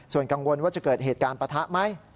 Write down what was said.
ส่วนกังวลว่าจะเกิดเหตุการณ์ปะทะไหม